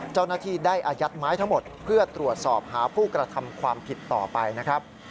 เจ้าหน้าที่ได้อายัดไม้ทั้งหมดเพื่อตรวจสอบหาผู้กระทำความผิดต่อไปนะครับ